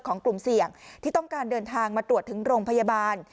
กลุ่มเสี่ยงที่ต้องการเดินทางมาตรวจถึงโรงพยาบาล